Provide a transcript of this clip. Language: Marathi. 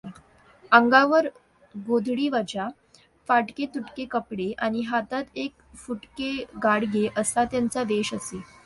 अंगावर गोधडीवजा फाटके तुटके कपडे आणि हातात एक फुटके गाडगे असा त्यांचा वेष असे.